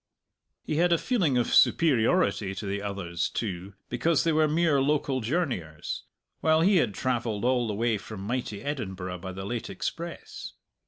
He had a feeling of superiority to the others, too, because they were mere local journeyers, while he had travelled all the way from mighty Edinburgh by the late express.